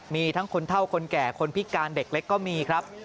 มีทั้งคนเท่าคนแก่คนพิการเด็กเล็กก็มีครับ